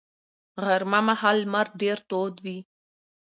غرمه مهال لمر ډېر تود وي